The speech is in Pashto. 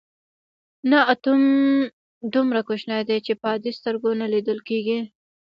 نه اتوم دومره کوچنی دی چې په عادي سترګو نه لیدل کیږي.